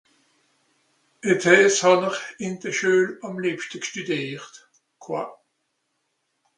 (...) hàn'r ìn de Schüel àm lìebschte Gstüdìert ?(...)